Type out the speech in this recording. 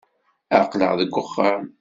Aql-aɣ deg wexxam.